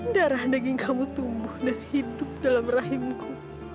darah daging kamu tumbuh dan hidup dalam rahimku